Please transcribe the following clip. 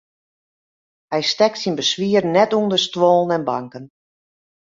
Hy stekt syn beswieren net ûnder stuollen en banken.